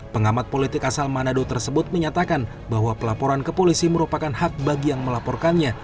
pengamat politik asal manado tersebut menyatakan bahwa pelaporan ke polisi merupakan hak bagi yang melaporkannya